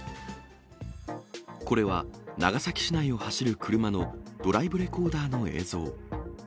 これは長崎市内を走る車のドライブレコーダーの映像。